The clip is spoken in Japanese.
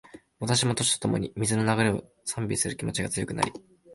私も、年とともに、水の流れを賛美する気持ちが強くなり